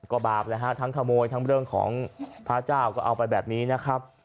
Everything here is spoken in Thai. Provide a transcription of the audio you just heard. ก็บาปแหละฮะทั้งขโมยทั้งเรื่องของพระเจ้าก็เอาไปแบบนี้นะครับ